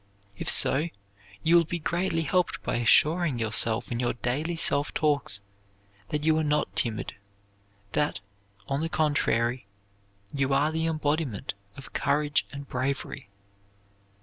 If so, you will be greatly helped by assuring yourself in your daily self talks that you are not timid; that, on the contrary, you are the embodiment of courage and bravery.